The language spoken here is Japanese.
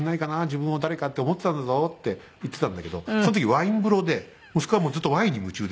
自分を誰かって思ってたんだぞ」って言ってたんだけどその時ワイン風呂で息子はずっとワインに夢中でしたね。